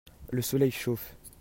le soleil chauffe.